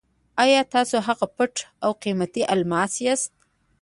اې! تاسو هغه پټ او قیمتي الماس یاست.